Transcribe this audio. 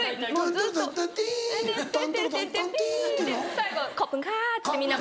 最後「コップンカー」ってみんな。